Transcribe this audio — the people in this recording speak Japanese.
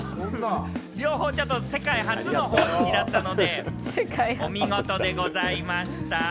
両方という世界初の方式だったので、お見事でございました！